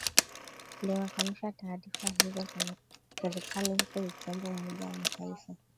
limekanusha taarifa hizo za serikali huku likiomba umoja wa mataifa